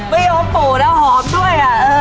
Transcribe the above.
ไม่ยอมโผล่แล้วหอมด้วย